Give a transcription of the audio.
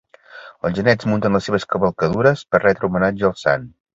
Els genets munten les seves cavalcadures per retre homenatge al sant.